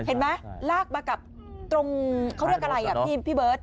เห็นไหมลากมากับตรงเขาเรียกอะไรอ่ะพี่เบิร์ต